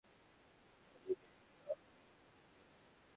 মানিমেগলাই, কোথায় গেলি?